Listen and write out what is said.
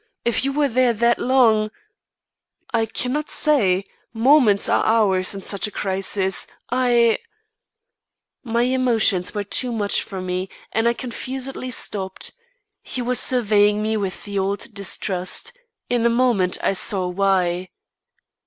If you were there that long " "I cannot say. Moments are hours at such a crisis I " My emotions were too much for me, and I confusedly stopped. He was surveying me with the old distrust. In a moment I saw why.